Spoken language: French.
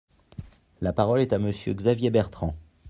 La parole est à Monsieur Xavier Bertrand.